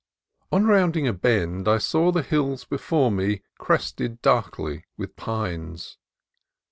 On rounding a bend I saw the hills before me crested darkly with pines.